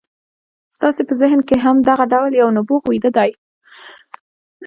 ستاسې په ذهن کې هم دغه ډول یو نبوغ ویده دی